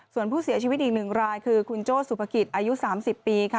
ส่วนผู้เสียชีวิตอีก๑รายคือคุณโจ้สุภกิจอายุ๓๐ปีค่ะ